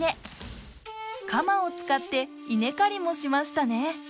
鎌を使って稲刈りもしましたね。